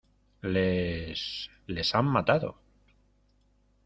les... les han matado .